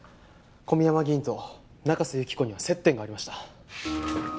小宮山議員と中瀬由紀子には接点がありました。